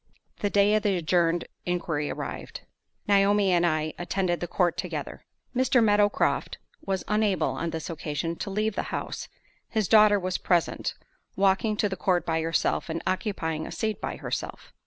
The day of the adjourned inquiry arrived. Naomi and I again attended the court together. Mr. Meadowcroft was unable, on this occasion, to leave the house. His daughter was present, walking to the court by herself, and occupying a seat by herself.